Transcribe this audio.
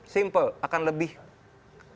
simple akan lebih oke